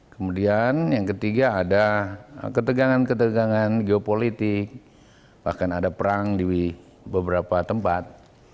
kemudian yang ketiga ada ketegangan ketegangan geopolitik bahkan ada perang di beberapa tempat